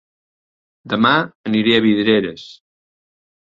Dema aniré a Vidreres